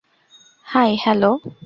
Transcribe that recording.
High, - hello.